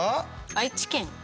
愛知県。